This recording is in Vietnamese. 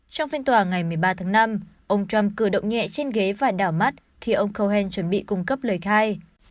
trong phiên tòa ngày một mươi ba tháng năm ông trump cử động nhẹ trên ghế và đảo mắt khi ông cohen chuẩn bị cung cấp lời khai